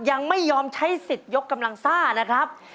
ยังไม่ยอมใช้สิทธิ์ยกกำลังซ่านะครับ